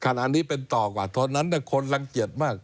ขณะนี้เป็นต่อกว่าตอนนั้นคนรังเกียจมาก